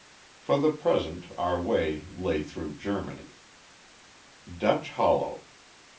For the present our way lay through Germany. Dutch Hollow!